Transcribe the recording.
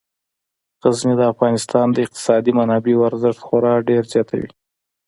غزني د افغانستان د اقتصادي منابعو ارزښت خورا ډیر زیاتوي.